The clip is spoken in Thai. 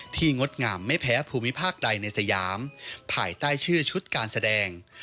งดงามไม่แพ้ภูมิภาคใดในสยามภายใต้ชื่อชุดการแสดง